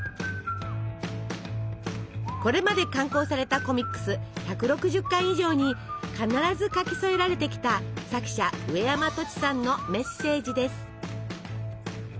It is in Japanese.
これまで刊行されたコミックス１６０巻以上に必ず書き添えられてきた作者うえやまとちさんのメッセージです。